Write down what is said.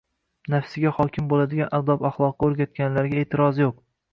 nafsiga hokim bo'ladigan odob-axloqqa o'rgatganlarga e'tiroz yo'q.